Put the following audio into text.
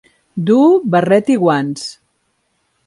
Duu barret i guants.